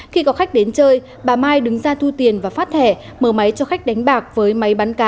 khi có khách đến chơi bà mai đứng ra thu tiền và phát thẻ mở máy cho khách đánh bạc với máy bán cá